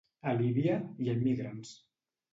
A Líbia hi ha immigrants